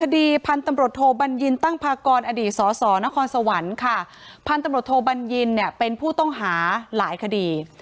คดีพันธุ์ตำรวจโทบัญญินตั้งพากรอดีตสอสอนครสวรรค์ค่ะพันธุ์ตำรวจโทบัญญินเนี่ยเป็นผู้ต้องหาหลายคดี